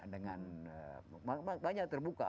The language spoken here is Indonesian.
dengan banyak banyak terbuka